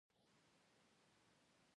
هغه وایی ما ژوند د سرګم په رقم غږولی دی